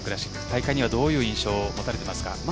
大会にはどういう印象を持たれています？